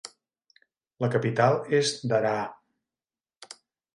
La capital és Daraa.